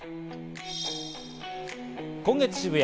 今月、渋谷。